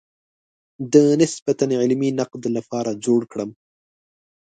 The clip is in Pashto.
د نسبتاً علمي نقد لپاره جوړ کړم.